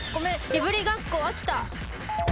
いぶりがっこ秋田。